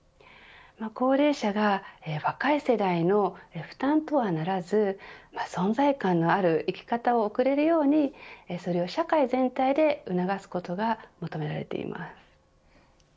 高齢者が若い世代の負担とはならず存在感のある生き方を送れるようにそれを社会全体で促すことが求められています。